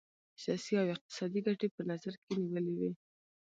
سیاسي او اقتصادي ګټي په نظر کې نیولي وې.